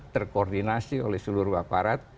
terkoordinasi oleh seluruh aparat